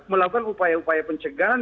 melakukan upaya upaya pencegahan